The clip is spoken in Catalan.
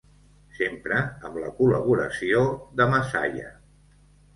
Sempre amb la col·laboració de Masaya.